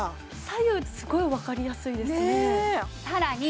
左右すごい分かりやすいですね